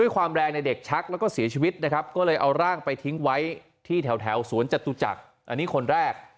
ก็เลยเอาร่างไปทิ้งไว้ที่แถวสวนจตุจักรอันนี้คนแรก